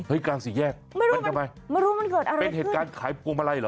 เฮ้ยกลางสี่แยกเป็นทำไมเป็นเหตุการณ์ขายกวมอะไรหรอ